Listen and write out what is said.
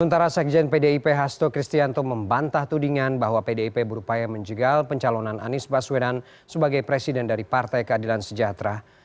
sementara sekjen pdip hasto kristianto membantah tudingan bahwa pdip berupaya menjegal pencalonan anies baswedan sebagai presiden dari partai keadilan sejahtera